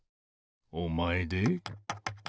おまえで？